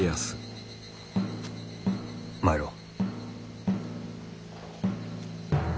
参ろう。